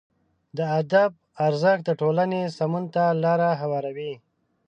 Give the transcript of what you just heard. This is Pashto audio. د ادب ارزښت د ټولنې سمون ته لاره هواروي.